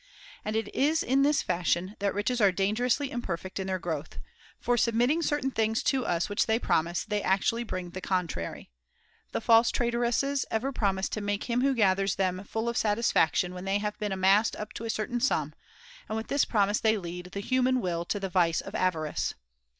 And it is in this fashion that riches are dangerously imperfect in their growth ; for, sub 286 THE CONVIVIO Ch. Insatiate mitting certain things to us which they promise, greed tj^gy actually bring the contrary. The [[303 false traitoresses ever promise to make him who gathers them full of satisfaction when they have been amassed up to a certain sum ; and with this promise they lead the human will to the vice of avarice.